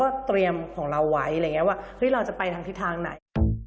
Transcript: แล้วก็เตรียมของเราไว้ว่าเราจะไปทางที่ทางไหน